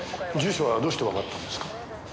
住所はどうしてわかったんですか？